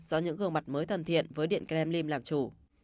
do những gương mặt mới thần thiện với điện krem lim làm chủ